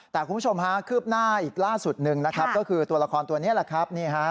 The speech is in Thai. แต่คุณผู้ชมฮะคืบหน้าอีกล่าสุดหนึ่งนะครับก็คือตัวละครตัวนี้แหละครับ